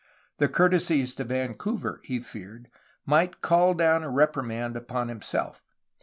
The courtesies to Van couver, he feared, might call down a reprimand upon him self.